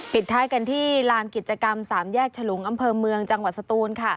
ท้ายกันที่ลานกิจกรรม๓แยกฉลุงอำเภอเมืองจังหวัดสตูน